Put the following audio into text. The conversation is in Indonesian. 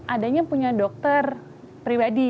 adanya punya dokter pribadi